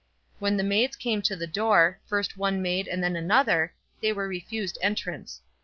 When the maids came to the door, first one maid and then another, they were refused entrance.